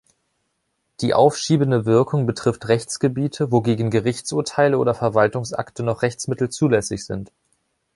Die aufschiebende Wirkung betrifft Rechtsgebiete, wo gegen Gerichtsurteile oder Verwaltungsakte noch Rechtsmittel zulässig sind.